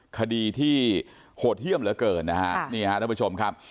คดีที่โหดเยี่ยมเหลือเกินนะฮะนี่ฮะท่านผู้ชมครับ